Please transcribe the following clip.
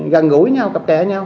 gần gũi nhau cặp kẹ nhau